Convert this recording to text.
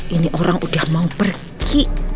ini orang udah mau pergi